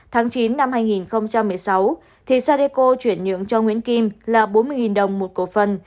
tháng chín năm hai nghìn một mươi sáu thì sadeco chuyển nhượng cho nguyễn kim là bốn mươi đồng một cổ phần